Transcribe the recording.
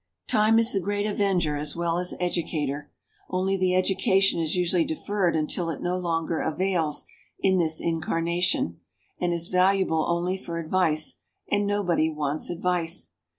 Time is the great avenger as well as educator; only the education is usually deferred until it no longer avails in this incarnation, and is valuable only for advice and nobody wants advice.